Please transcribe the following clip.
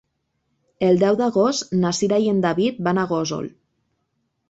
El deu d'agost na Cira i en David van a Gósol.